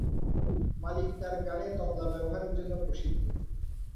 মালিক তার গানে তবলা ব্যবহারের জন্য প্রসিদ্ধ।